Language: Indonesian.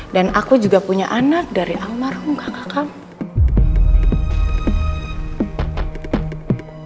dan aku juga punya anak dari almarhum kakak kamu